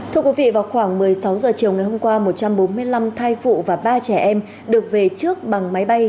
thưa quý vị vào khoảng một mươi sáu h chiều ngày hôm qua một trăm bốn mươi năm thai phụ và ba trẻ em được về trước bằng máy bay